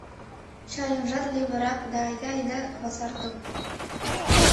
— Чаемжат левырак, да айда ида васартыл.